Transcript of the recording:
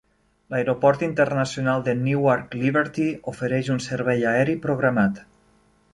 L'aeroport internacional de Newark Liberty ofereix un servei aeri programat.